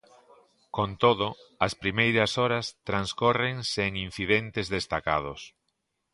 Con todo, as primeiras horas transcorren sen incidentes destacados.